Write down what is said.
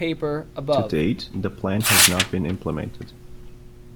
To date the plan has not been implemented.